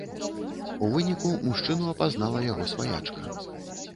У выніку мужчыну апазнала яго сваячка.